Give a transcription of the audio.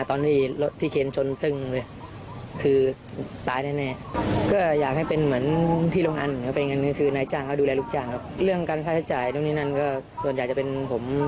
ทุกวันนี้เรายังทำงานได้ไหม